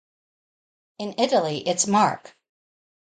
In Italy, it's Mark.